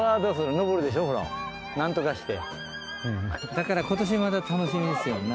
だから今年また楽しみですよね